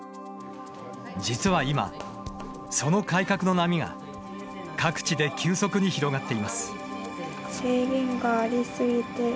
実は今、その改革の波が各地で急速に広がっています。